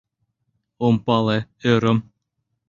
Ом пале, ӧрым.